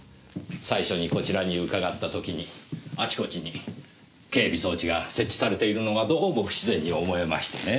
最初にこちらに伺った時にあちこちに警備装置が設置されているのがどうも不自然に思えましてね。